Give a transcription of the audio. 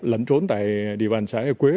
lẩn trốn tại địa bàn xã hè quế